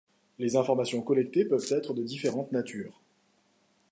Les informations collectées peuvent être de différente nature.